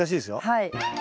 はい。